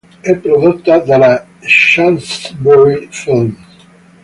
È prodotta dalla Shaftesbury Films.